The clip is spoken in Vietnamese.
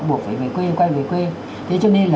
buộc phải về quê quay về quê thế cho nên